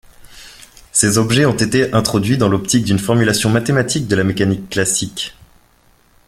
Ces objets ont été introduits dans l'optique d'une formulation mathématique de la mécanique classique.